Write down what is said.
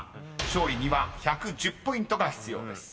［勝利には１１０ポイントが必要です］